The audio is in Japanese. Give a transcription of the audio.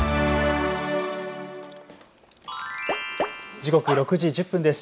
時刻、６時１０分です。